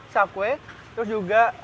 cakwe terus juga